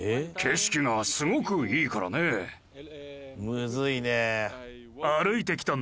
むずいね。